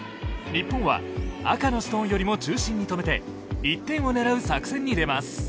日本は赤のストーンより中心に止めて１点を狙う作戦にでます。